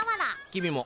君も。